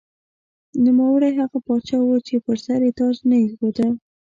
نوموړی هغه پاچا و چې پر سر یې تاج نه ایښوده.